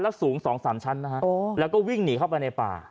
แล้วสูง๒๓ชั้นนะฮะแล้วก็วิ่งหนีเข้าไปในป่า